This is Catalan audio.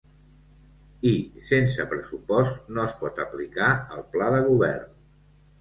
I sense pressupost no es pot aplicar el pla de govern.